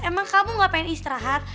emang kamu gak pengen istirahat